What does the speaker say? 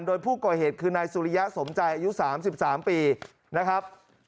โดยผู้ก่อเหตุคือนายสุริยะสมใจอายุ๓๓ปีนะครับ